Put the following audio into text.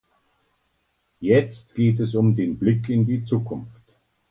Jetzt geht es um den Blick in die Zukunft.